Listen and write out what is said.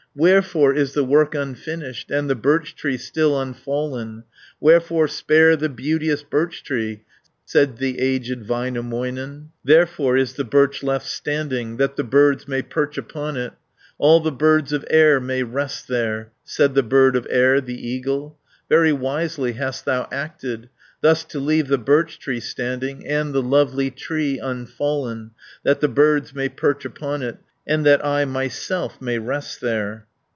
"Wherefore is the work unfinished, And the birch tree still unfallen? Wherefore spare the beauteous birch tree?" Said the aged Väinämöinen, 270 "Therefore is the birch left standing, That the birds may perch upon it; All the birds of air may rest there." Said the bird of air, the eagle, "Very wisely hast thou acted, Thus to leave the birch tree standing And the lovely tree unfallen, That the birds may perch upon it, And that I myself may rest there."